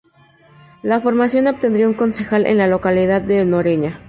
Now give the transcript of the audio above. La formación obtendría un concejal en la localidad de Noreña.